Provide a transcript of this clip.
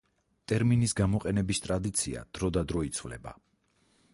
ტერმინის გამოყენების ტრადიცია დროდადრო იცვლება.